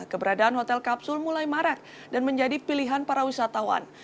keberadaan hotel kapsul mulai marak dan menjadi pilihan para wisatawan